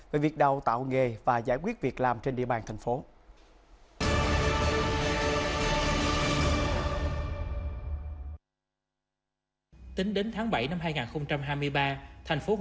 về việc đào tạo nghề và giải quyết việc làm trên địa bàn thành phố